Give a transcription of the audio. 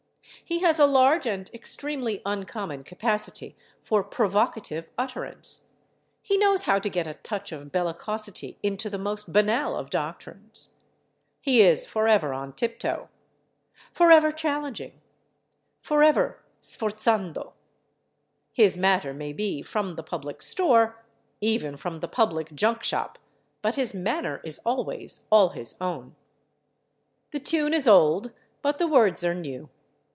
He has a large and extremely uncommon capacity for provocative utterance; he knows how to get a touch of bellicosity into the most banal of doctrines; he is forever on tiptoe, forever challenging, forever sforzando. His matter may be from the public store, even from the public junk shop, but his manner is always all his own. The tune is old, but the words are new.